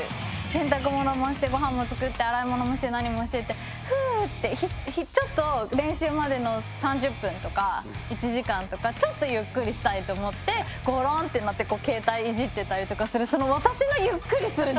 洗濯物もして御飯も作って洗い物もして何もしてってふうってちょっと練習までの３０分とか１時間とかちょっとゆっくりしたいと思ってごろんってなって携帯いじってたりとかするなるほどね。